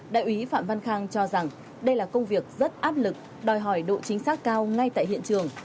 đại úy phạm văn khang cho rằng đây là công việc rất áp lực đòi hỏi độ chính xác cao ngay tại hiện trường